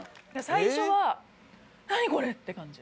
最初は「何？これ」って感じ。